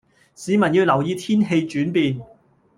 市民要留意天氣轉變